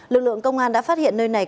lực lượng công an đã phát hiện nơi này